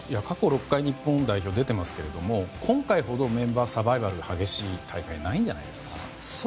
過去６回日本代表は出ていますが今回ほどメンバーサバイバルが激しい大会ないんじゃないですか。